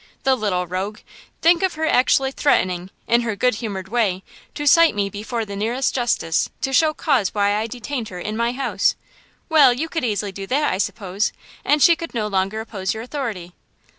The little rogue! Think of her actually threatening, in her good humored way, to cite me before the nearest justice to show cause why I detained her in my house!" "Well, you could easily do that, I suppose, and she could no longer oppose your authority."